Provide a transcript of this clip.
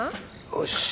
よし！